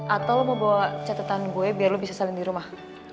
atau lo mau bawa catatan gue biar lo bisa saling di rumah